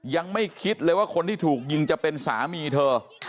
ยังไม่คิดเลยว่าคนที่ถูกยิงจะเป็นสามีเธอ